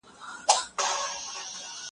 زه به کښېناستل کړي وي.